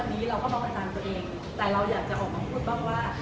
แต่เราอยากจะออกคำพูดบ้างว่า